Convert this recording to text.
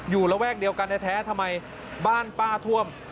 ระแวกเดียวกันแท้ทำไมบ้านป้าท่วม